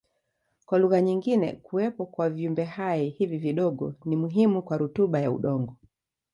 Kwa lugha nyingine kuwepo kwa viumbehai hivi vidogo ni muhimu kwa rutuba ya udongo.